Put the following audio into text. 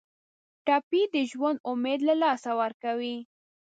ټپي د ژوند امید له لاسه ورکوي.